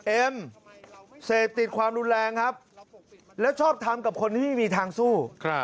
เอ็มเสพติดความรุนแรงครับแล้วชอบทำกับคนที่ไม่มีทางสู้